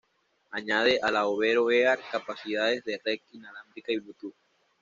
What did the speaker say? Añade a la Overo Earth capacidades de red inalámbrica y Bluetooth.